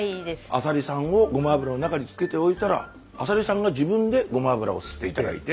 アサリさんをごま油の中に漬けておいたらアサリさんが自分でごま油を吸って頂いて。